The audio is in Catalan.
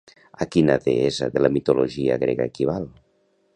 A quina deessa de la mitologia grega equival?